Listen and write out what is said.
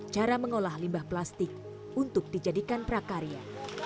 cara mengolah limbah plastik untuk dijadikan prakarya